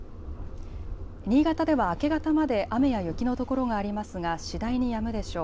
新潟では明け方まで雨や雪のところがありますが次第にやむでしょう。